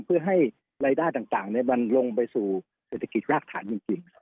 เพื่อให้รายได้ต่างต่างเนี่ยมันลงไปสู่เศรษฐกิจรากฐานจริงจริง